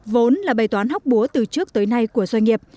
vốn là bày toán hóc búa từ trước tới nay của doanh nghiệp